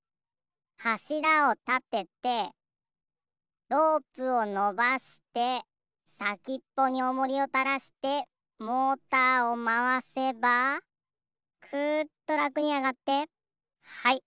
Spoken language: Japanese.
はしらをたててロープをのばしてさきっぽにおもりをたらしてモーターをまわせばくっとらくにあがってはい。